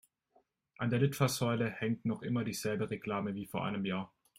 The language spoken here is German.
An der Litfaßsäule hängt noch immer dieselbe Reklame wie vor einem Jahr.